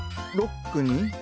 ろっくに。